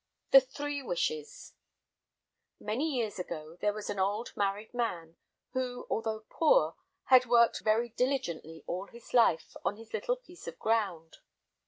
The Three Wishes Many years ago there was an old married man, who, although poor, had worked very diligently all his life on his little piece of ground.